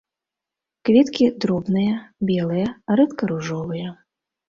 Кветкі дробныя, белыя, рэдка ружовыя.